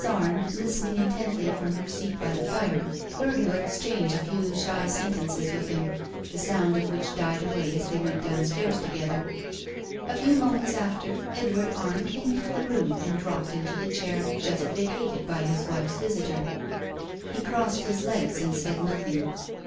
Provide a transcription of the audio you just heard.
Arne, listening intently from her seat by the fire, heard her exchange a few shy sentences with him, the sound of which died away as they went downstairs together. A few moments after, Edward Arne came into the room and dropped into the chair just vacated by his wife's visitor. He crossed his legs and said nothing.